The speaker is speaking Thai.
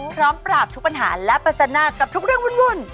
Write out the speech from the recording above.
พร้อมปราบทุกปัญหาและปัจจนากับทุกเรื่องวุ่น